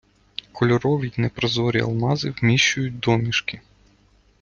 Кольорові й непрозорі алмази вміщують домішки